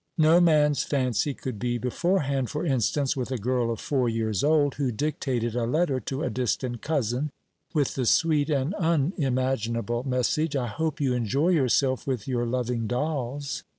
No man's fancy could be beforehand, for instance, with a girl of four years old who dictated a letter to a distant cousin, with the sweet and unimaginable message: "I hope you enjoy yourself with your loving dolls."